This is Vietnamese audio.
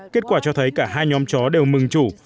kết quả cho thấy cả hai nhóm chó đều mừng chủ